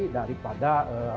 daripada mitigasi yang terjadi